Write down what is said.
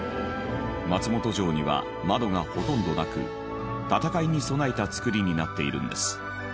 松本城には窓がほとんどなく戦いに備えた造りになっているんです。